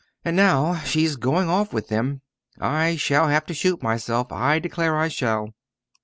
And now she's going off with them. I shall have to shoot myself I declare I shall!"